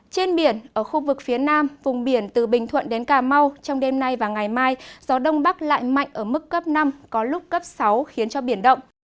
trên biển ở khu vực phía nam vùng biển từ bình thuận đến cà mau trong đêm nay và ngày mai gió đông bắc lại mạnh ở mức cấp năm có lúc cấp sáu khiến cho biển động